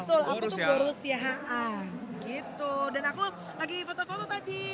betul aku tuh guru siahaan gitu dan aku lagi foto foto tadi